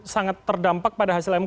sangat terdampak pada hasilnya jokowi